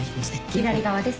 左側です。